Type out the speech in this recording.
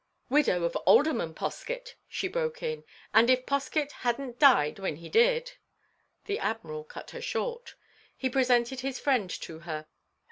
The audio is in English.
"Widow of Alderman Poskett," she broke in. "And if Poskett had n't died when he did—" The Admiral cut her short. He presented his friend to her.